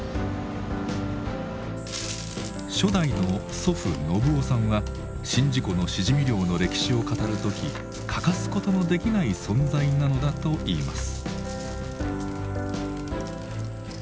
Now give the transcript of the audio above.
初代の祖父信夫さんは宍道湖のしじみ漁の歴史を語る時欠かすことのできない存在なのだと言います。